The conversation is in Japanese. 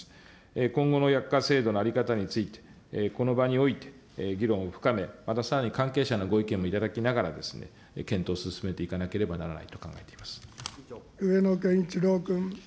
今後の薬価制度の在り方について、この場において議論を深め、またさらに関係者のご意見もいただきながら、検討を進めていかなけれ上野賢一郎君。